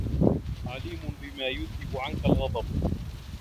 عَلِيمٌ بِمَا يُذْهِبُ عَنْك الْغَضَبَ